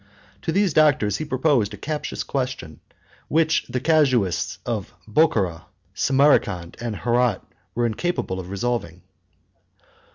To these doctors he proposed a captious question, which the casuists of Bochara, Samarcand, and Herat, were incapable of resolving.